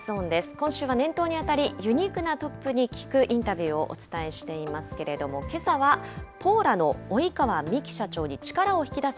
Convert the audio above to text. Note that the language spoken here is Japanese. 今週は年頭にあたり、ユニークなトップに聞くインタビューをお伝えしていますけれども、けさはポーラの及川美紀社長に力を引き出す